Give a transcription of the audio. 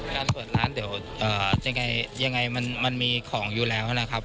เปิดร้านเดี๋ยวยังไงมันมีของอยู่แล้วนะครับ